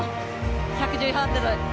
１１０ｍハードル。